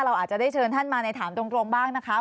เราอาจจะได้เชิญท่านมาในถามตรงบ้างนะคะ